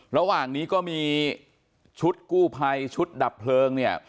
ระหว่างนี้ก็มีชุดกู้ภัยชุดดับเพลิงเนี่ย